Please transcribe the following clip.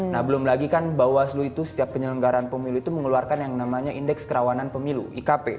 nah belum lagi kan bawaslu itu setiap penyelenggaran pemilu itu mengeluarkan yang namanya indeks kerawanan pemilu ikp